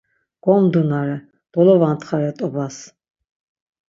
Gomdunare, dolovantxare t̆obas.